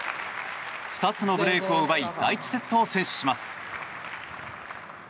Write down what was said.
２つのブレークを奪い第１セットを先取します。